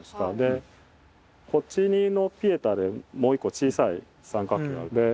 こっちのピエタでもう一個小さい三角形がある。